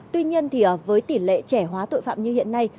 tuy nhiên thì với tỷ lệ trẻ hóa tội phạm như hiện nay